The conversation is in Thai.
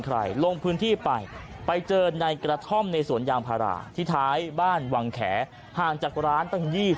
ใครลงพื้นที่ไปไปเจอในกระท่อมในสวนยางพาราที่ท้ายบ้าน